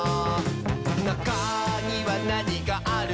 「なかにはなにがあるのかな？」